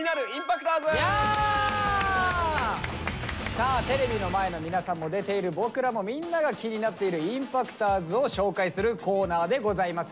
さあテレビの前の皆さんも出ている僕らもみんなが気になっているＩＭＰＡＣＴｏｒｓを紹介するコーナーでございます。